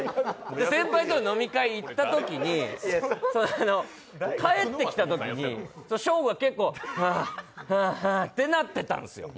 先輩との飲み会に行ったときに帰ってきたときにショーゴが結構はあ、はあってなってたんですよ。